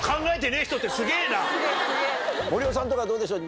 森尾さんとかどうでしょう？